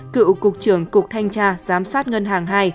cựu cục trưởng cục thanh tra giám sát ngân hàng hai